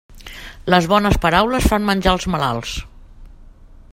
Les bones paraules fan menjar els malalts.